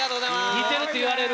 似てるって言われる？